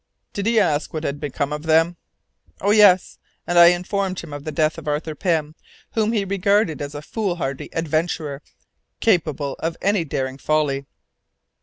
"Did he ask what had become of them?" "Oh yes, and I informed him of the death of Arthur Pym, whom he regarded as a foolhardy adventurer, capable of any daring folly."